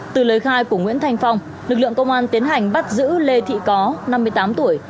từ lời khai của nguyễn thành phong lực lượng công an tiến hành bắt giữ lê thị có năm mươi tám tuổi